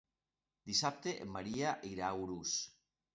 Dissabte en Maria irà a Urús.